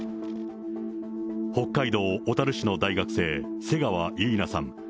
北海道小樽市の大学生、瀬川結菜さん